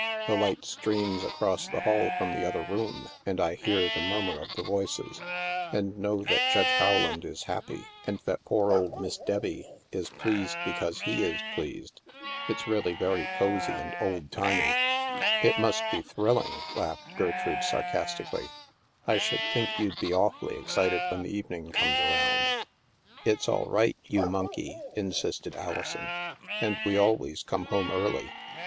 The light streams across the hall from the other room, and I hear the murmur of the voices, and know that Judge How land is happy, and that poor old Miss Debbie is pleased because he is pleased. It's really very cosy and old timey." 38 THE MASK *' It must be thrilling," laughed Gertrude sarcas tically. " I should think you'd be awfully excited when the evening comes around." " It's all right, you monkey," insisted Alison, *' and we always come home early."